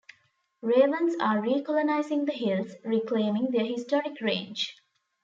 Ravens are recolonizing the hills, reclaiming their historic range.